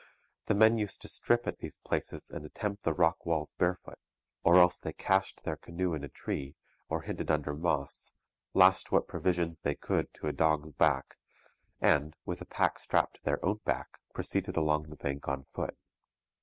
The men used to strip at these places and attempt the rock walls barefoot; or else they cached their canoe in a tree, or hid it under moss, lashed what provisions they could to a dog's back, and, with a pack strapped to their own back, proceeded along the bank on foot.